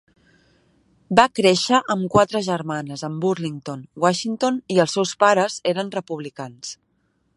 Va créixer amb quatre germanes en Burlington, Washington, i els seus pares eren Republicans.